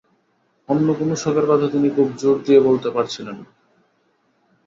অন্য কোনো শখের কথা তিনি খুব জোর দিয়ে বলতে পারছিলেন না।